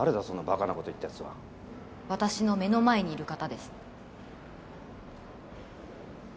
そんなバカなこと言ったヤツは私の目の前にいる方です